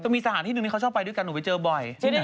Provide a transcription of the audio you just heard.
มีสถานที่หนึ่งที่เขาชอบไปด้วยกันหนูไปเจอบ่อย